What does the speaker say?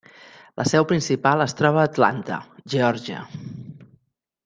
La seu principal es troba a Atlanta, Geòrgia.